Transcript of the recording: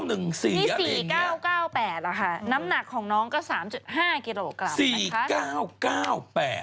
นี่๔๙๙๘เหรอคะน้ำหนักของน้องก็๓๕กิโลกรัม